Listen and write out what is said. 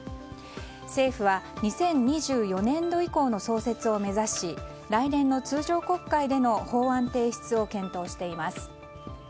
政府は２０２４年度以降の創設を目指し来年の通常国会での法案提出を検討しています。